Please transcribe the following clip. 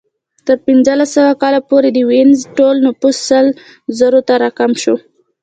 تر پنځلس سوه کال پورې د وینز ټول نفوس سل زرو ته راکم شو